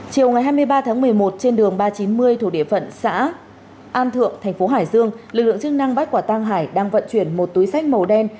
chiều ngày hai mươi ba tháng một mươi một trên đường ba trăm chín mươi thuộc địa phận xã an thượng thành phố hải dương lực lượng chức năng bắt quả tang hải đang vận chuyển một túi sách màu đen